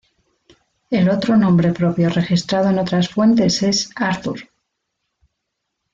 El otro nombre propio registrado en otras fuentes es Arthur.